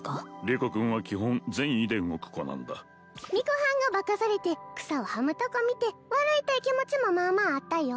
リコ君は基本善意で動く子なんだ巫女はんが化かされて草をはむとこ見て笑いたい気持ちもまあまああったよ